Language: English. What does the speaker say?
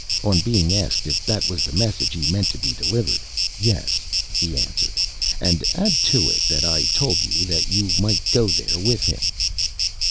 On being asked if that was the message he meant to be delivered! "Yes," he answered, "and add to it that I told you that you might go there with him."